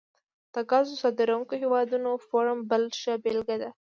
د ګازو صادرونکو هیوادونو فورم بله ښه بیلګه ده